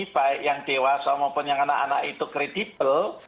baik yang dewasa maupun yang anak anak itu kredibel